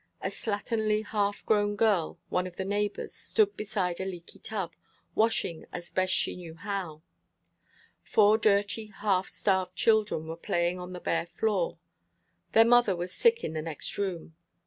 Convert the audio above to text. A slatternly, half grown girl, one of the neighbors, stood beside a leaky tub, washing as best she knew how. Four dirty, half starved children were playing on the bare floor. Their mother was sick in the next room.